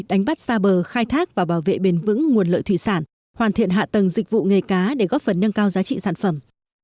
đánh bắt xa bờ khai thác và bảo vệ bền vững nguồn lợi thủy sản hoàn thiện hạ tầng dịch vụ nghề cá để góp phần nâng cao giá trị sản phẩm